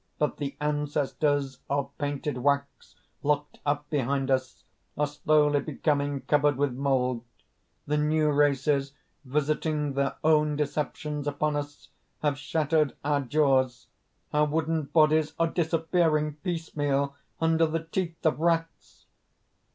"But the ancestors, of painted wax, locked up behind us, are slowly becoming covered with mold. The new races, visiting their own deceptions upon us, have shattered our jaws; our wooden bodies are disappearing piece meal under the teeth of rats."